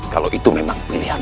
kalau itu memang pilihan